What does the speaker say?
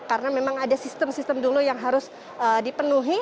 karena memang ada sistem sistem dulu yang harus dipenuhi